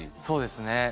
そうですね